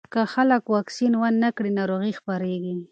که خلک واکسین ونه کړي، ناروغي خپرېږي.